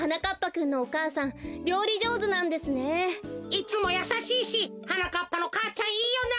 いつもやさしいしはなかっぱの母ちゃんいいよな。